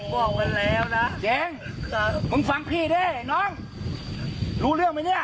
พ่อขึ้นมาพ่อยอมมอบตัวซะให้หนูจะมาเยี่ยมบ่อย